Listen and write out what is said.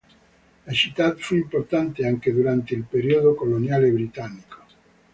La città fu importante anche durante il periodo coloniale britannico.